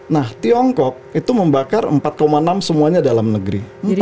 nah tiongkok itu membakar empat enam semuanya dalam negeri